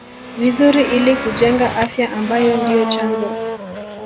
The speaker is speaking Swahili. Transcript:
vizuri ili kujenga afya ambayo ndio chanzo